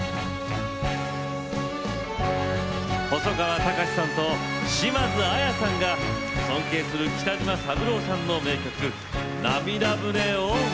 細川たかしさんと島津亜矢さんが尊敬する北島三郎さんの名曲「なみだ船」を歌います。